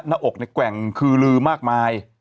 หน้าอกในแกว่งคือลือมากมาย